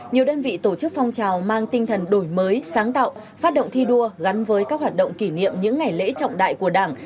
nhiều đơn vị tổ chức phong trào mang tinh thần đổi mới sáng tạo phát động thi đua gắn với các hoạt động kỷ niệm những ngày lễ trọng đại của đảng